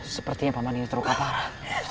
sepertinya paman ini teruka parah